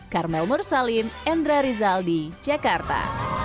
carmel mursalim endra rizal di jakarta